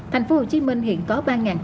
thành phố hồ chí minh hiện có